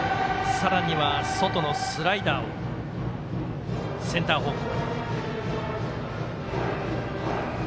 さらには外スライダーをセンター方向。